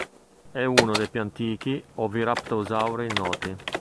È uno dei più antichi oviraptorosauri noti.